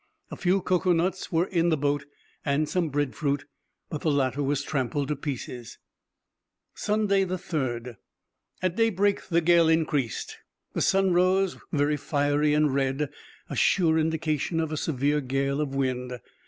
A few cocoa nuts were in the boat, and some bread fruit, but the latter was trampled to pieces. Sunday, 3d.—At daybreak the gale increased; the sun rose very fiery and red—a sure indication of a severe gale of wind.